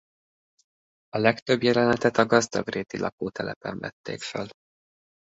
A legtöbb jelenetet a gazdagréti lakótelepen vették fel.